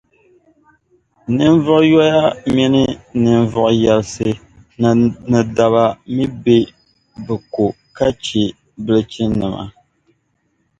ninvuɣ’ yoya mini ninvuɣ’ yarisi ni daba mi be bɛ ko ka chɛ bilichinnima.